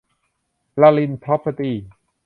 ลลิล พร็อพเพอร์ตี้